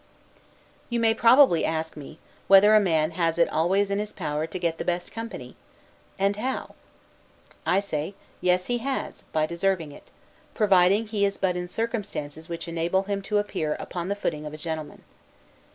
You may possibly ask me, whether a man has it always in his power to get the best company? and how? I say, Yes, he has, by deserving it; providing he is but in circumstances which enable him to appear upon the footing of a gentleman.